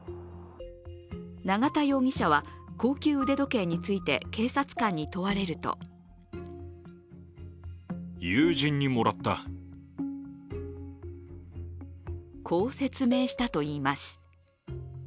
永田容疑者は高級腕時計について警察官に問われるとこう説明したといいますす。